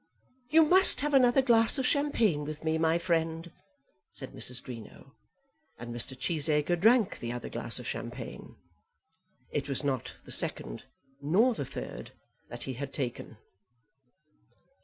"You must have another glass of champagne with me, my friend," said Mrs. Greenow; and Mr. Cheesacre drank the other glass of champagne. It was not the second nor the third that he had taken.